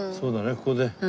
ここで。